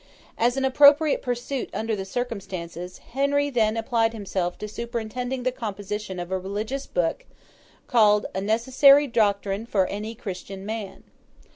As an appropriate pursuit under the circumstances, Henry then applied himself to superintending the composition of a religious book called 'A necessary doctrine for any Christian Man.